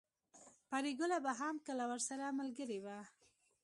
پريګله به هم کله ورسره ملګرې وه